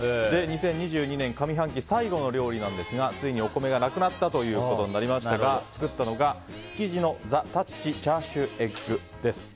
２０２２年上半期の最後の料理なんですがついにお米がなくなったということになりましたが作ったのが、築地のザ・たっちチャーシューエッグです。